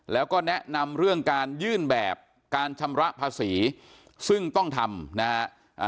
แล้วก็แนะนำเรื่องการยื่นแบบการชำระภาษีซึ่งต้องทำนะฮะ